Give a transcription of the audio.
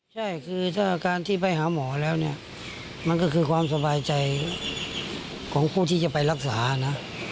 ใช่คือถ้าการที่ไปหาหมอแล้วเนี่ยมันก็คือความสบายใจของผู้ที่จะไปรักษานะ